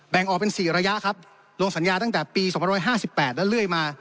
งออกเป็น๔ระยะครับลงสัญญาตั้งแต่ปี๒๕๘แล้วเรื่อยมา